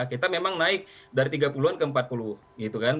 kita memang naik dari tiga puluh an ke empat puluh gitu kan